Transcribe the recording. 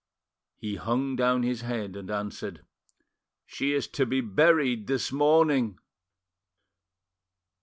"He hung down his head and answered— "'She is to be buried this morning!